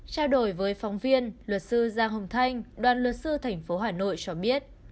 trao đổi với phóng viên luật sư giang hồng thanh đoàn luật sư tp hà nội cho biết